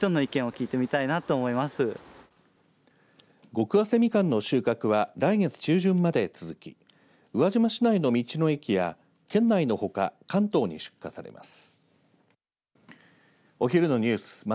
極早生みかんの収穫は来月中旬まで続き宇和島市内の道の駅や県内のほか関東に出荷されます。